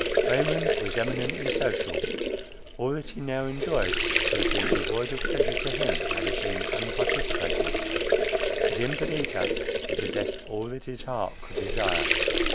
Raymond was eminently social. All that he now enjoyed would have been devoid of pleasure to him, had it been unparticipated. But in Perdita he possessed all that his heart could desire.